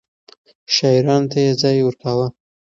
شاعرانو ته يې ځای ورکاوه.